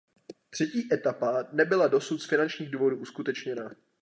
Třetí etapa nebyla dosud z finančních důvodů uskutečněna.